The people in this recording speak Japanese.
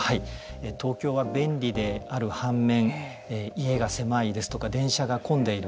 東京は、便利である反面家が狭いですとか電車が混んでいる。